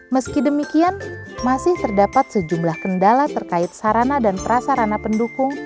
meski demikian masih terdapat sejumlah kendala terkait sarana dan prasarana pendukung